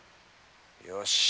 よし。